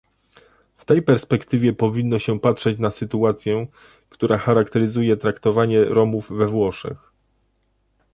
W tej perspektywie powinno się patrzeć na sytuację, która charakteryzuje traktowanie Romów we Włoszech